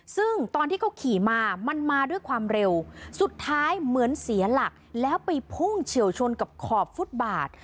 ซึ่งตอนที่เขาขี่มามันมาด้วยความเร็วสุดท้ายเหมือนเสียหลักแล้วไปพุ่งเฉียวชนกับขอบฟุตบาท